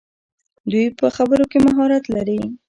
دوی په خبرو کې مهارت لري.